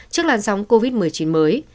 trước lan sóng covid một mươi chín mới